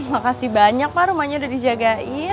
makasih banyak pak rumahnya udah dijagain